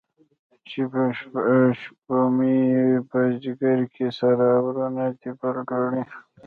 چې په شپومې، په ځیګر کې سره اورونه دي بل کړی